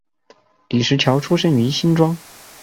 李石樵出生于新庄